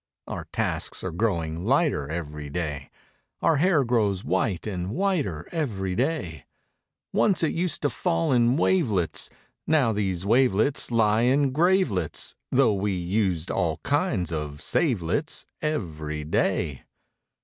Our tasks are growing lighter Every day; Our hair grows white and whiter Every day; Once it used to fall in wavelets Now these wavelets lie in gravelets Though we used all kinds of savelets Every day.